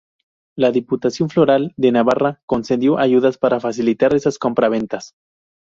La Diputación Foral de Navarra concedió ayudas para facilitar estas compra-ventas.